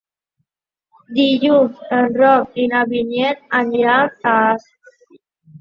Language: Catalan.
Dilluns en Roc i na Vinyet aniran a Asp.